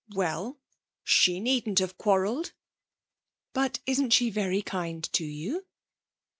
'Well, she needn't have quarrelled.' 'But isn't she very kind to you?'